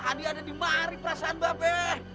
tadi ada dimarik perasaan ba be